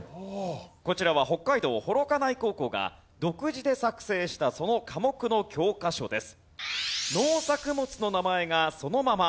こちらは北海道幌加内高校が独自で作成したその科目の教科書です。